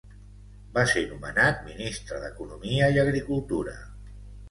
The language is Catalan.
Va ser nomenat ministre d'Economia i Agricultura.